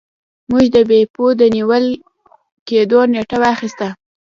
موږ د بیپو د نیول کیدو نیټه واخیسته.